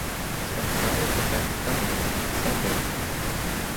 З вакзалу відаць дамы, сады.